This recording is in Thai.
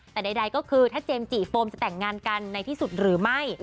แต่ใดก็คือถ้าเจมส์จีโฟมจะแต่งงานกันในที่สุดหรือไม่